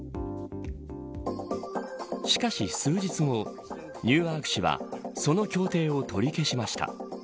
しかし、数日後ニューアーク市はその協定を取り消しました。